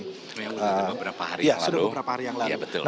ya sudah beberapa hari yang lalu